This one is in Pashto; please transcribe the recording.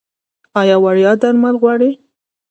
ایا وړیا درمل غواړئ؟